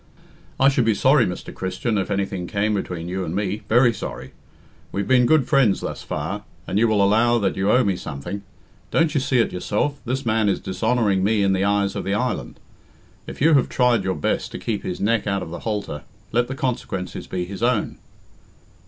"I should be sorry, Mr. Christian, if anything came between you and me very sorry. We've been good friends thus far, and you will allow that you owe me something. Don't you see it yourself this man is dishonouring me in the eyes of the island? If you have tried your best to keep his neck out of the halter, let the consequences be his own."